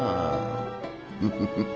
フフフッ。